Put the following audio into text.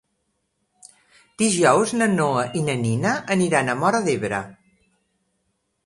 Dijous na Noa i na Nina aniran a Móra d'Ebre.